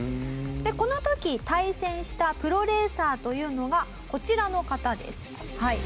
この時対戦したプロレーサーというのがこちらの方ですはい。